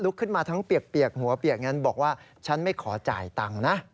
ขึ้นมาทั้งเปียกหัวเปียกนั้นบอกว่าฉันไม่ขอจ่ายตังค์นะ